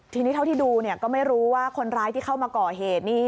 ทีนี้เท่าที่ดูก็ไม่รู้ว่าคนร้ายที่เข้ามาก่อเหตุนี้